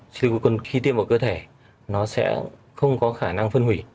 còn khi tiêm vào cơ thể nó sẽ không có khả năng phân hủy